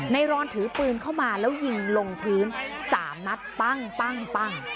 รอนถือปืนเข้ามาแล้วยิงลงพื้น๓นัดปั้ง